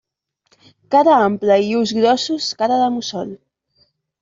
Cara ampla i ulls grossos, cara de mussol.